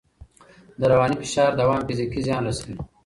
د رواني فشار دوام فزیکي زیان رسوي.